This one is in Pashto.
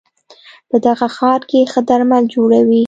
په دغه ښار کې ښه درمل جوړول